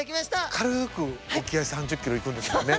軽く沖合３０ｋｍ行くんですもんね。